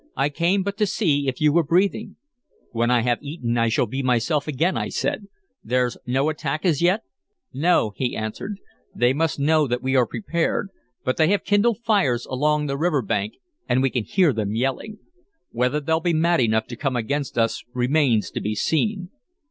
I came but to see if you were breathing." "When I have eaten, I shall be myself again," I said. "There's no attack as yet?" "No," he answered. "They must know that we are prepared. But they have kindled fires along the river bank, and we can hear them yelling. Whether they'll be mad enough to come against us remains to be seen."